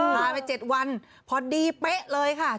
หายไป๗วันพอดีเป๊ะเลยค่ะ